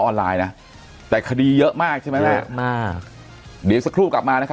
ไลน์นะแต่คดีเยอะมากใช่ไหมล่ะเยอะมากเดี๋ยวสักครู่กลับมานะครับ